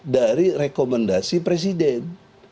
dari rekomendasi presiden